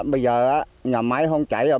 bây giờ nhà máy không cháy rồi